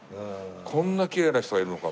こんなきれいな人がいるのか。